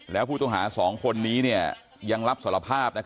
แล้วผู้ต้องหา๒คนนี้ยังรับสารภาพ